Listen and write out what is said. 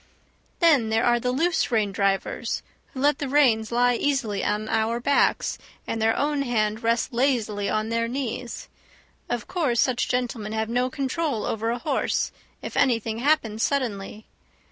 Then there are the loose rein drivers, who let the reins lie easily on our backs, and their own hand rest lazily on their knees. Of course, such gentlemen have no control over a horse, if anything happens suddenly.